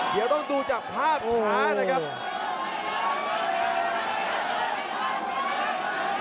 เดี๋ยวต้องดูจากภาพช้านะครับ